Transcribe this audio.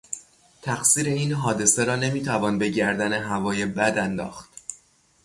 تقصیر این حادثه را نمیتوان به گردن هوای بد انداخت.